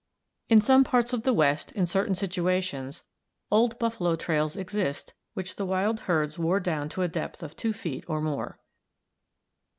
In some parts of the West, in certain situations, old buffalo trails exist which the wild herds wore down to a depth of 2 feet or more.